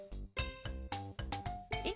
えっ？